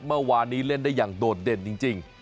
เมื่อวานนี้เล่นได้อย่างโดดเด่นจริง